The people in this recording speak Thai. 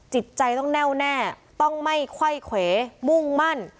จิตใจต้องแน่วแน่ต้องไม่ไขว้เขวมุ่งมั่น